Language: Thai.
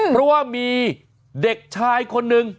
เพราะว่ามีเด็กชายคนนึง